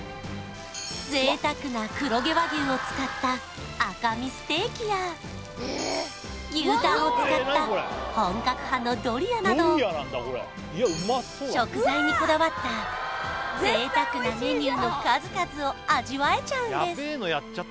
贅沢な黒毛和牛を使った赤身ステーキや牛タンを使った本格派のドリアなど食材にこだわった贅沢なメニューの数々を味わえちゃうんです